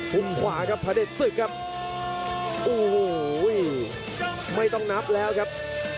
ขวาครับพระเด็จศึกครับโอ้โหไม่ต้องนับแล้วครับ